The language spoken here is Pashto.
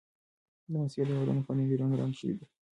د موسسې دېوالونه په نوي رنګ رنګ شوي دي.